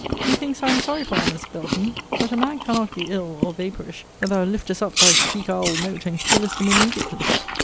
Methinks I am sorry for honest Belton. But a man cannot be ill, or vapourish, but thou liftest up thy shriek owl note, and killest him immediately.